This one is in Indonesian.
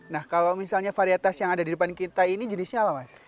nah kalau misalnya varietas yang ada di depan kita ini jenisnya apa mas